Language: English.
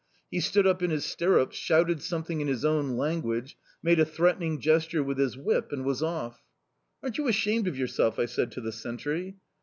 He stood up in his stirrups, shouted something in his own language, made a threatening gesture with his whip and was off. "'Aren't you ashamed of yourself?' I said to the sentry.